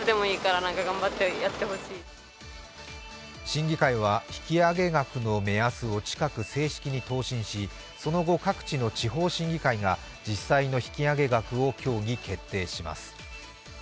審議会は引き上げ額の目安を近く答申しその後、各地の地方審議会が実際の引き上げ額を協議・決定します。